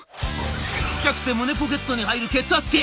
ちっちゃくて胸ポケットに入る血圧計！